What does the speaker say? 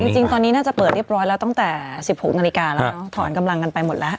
จริงตอนนี้น่าจะเปิดเรียบร้อยแล้วตั้งแต่๑๖นาฬิกาแล้วเนอะถอนกำลังกันไปหมดแล้ว